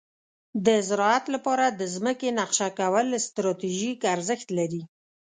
د زراعت لپاره د ځمکې نقشه کول ستراتیژیک ارزښت لري.